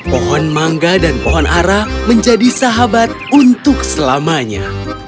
pohon mangga dan pohon ara menjadi sahabat untuk selamanya